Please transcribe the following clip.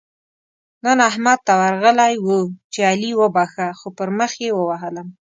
نن احمد ته ورغلی وو؛ چې علي وبښه - خو پر مخ يې ووهلم.